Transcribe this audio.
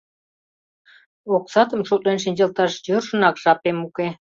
Оксатым шотлен шинчылташ йӧршынак жапем уке.